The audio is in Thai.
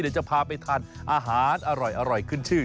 เดี๋ยวจะพาไปทานอาหารอร่อยขึ้นชื่อ